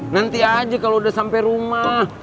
nanti aja kalau udah sampai rumah